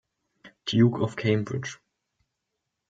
Duke of Cambridge.